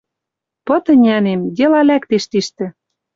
Пыт ӹнянем, дела лӓктеш тиштӹ.